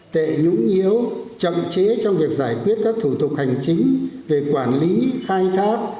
tệ nhũng yếu chậm chế trong việc giải quyết các thủ tục hành chính về quản lý khai thác